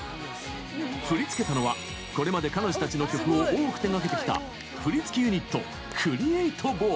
振り付けたのは、これまで彼女たちの曲を多く手がけてきた振付ユニット・ＣＲＥ８ＢＯＹ。